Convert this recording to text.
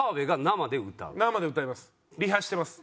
生で歌います。